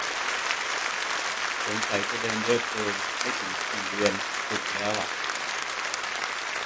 สงสัยจะเดินเยอะเกิน ไม่ถึงสี่เดือน สึกแล้วอ่ะ